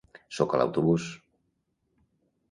Sóc a l'autobús.